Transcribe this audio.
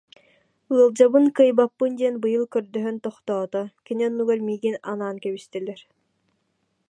Ыалдьабын, кыайбаппын диэн быйыл көрдөһөн тохтоото, кини оннугар миигин анаан кэбистилэр